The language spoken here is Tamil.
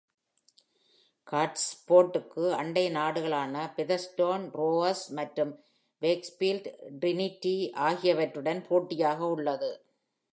காஸ்டில்ஃபோர்டுக்கு அண்டை நாடுகளான ஃபெதர்ஸ்டோன் ரோவர்ஸ் மற்றும் வேக்ஃபீல்ட் டிரினிட்டி ஆகியவற்றுடன் போட்டியாக உள்ளது.